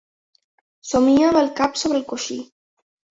Somia amb el cap sobre el coixí.